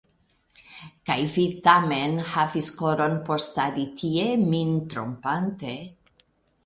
Kaj vi tamen havis koron por stari tie min trompante.